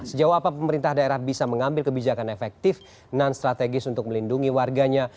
sejauh apa pemerintah daerah bisa mengambil kebijakan efektif non strategis untuk melindungi warganya